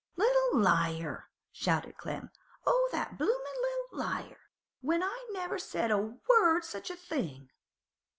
'Little liar!' shouted Clem. 'Oh, that bloomin' little liar! when I never said a word o' such a thing!